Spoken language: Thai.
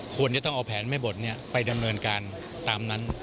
ควรจะต้องเอาแผนแม่บทไปดำเนินการตามนั้น